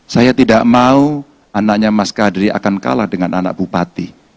saya tidak mau anaknya mas kadri akan kalah dengan anak bupati